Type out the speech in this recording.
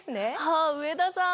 あ上田さん！